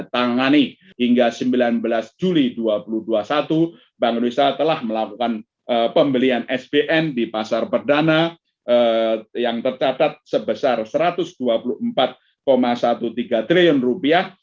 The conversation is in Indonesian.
bank indonesia telah melakukan pembelian sbn di pasar perdana yang tercatat sebesar rp satu ratus dua puluh empat tiga belas triliun